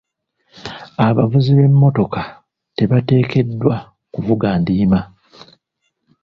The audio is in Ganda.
Abavuzi b'emmotoka tebateekeddwa kuvuga ndiima.